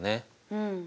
うん。